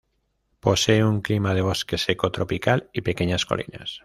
Posee un clima de bosque seco tropical y pequeñas colinas.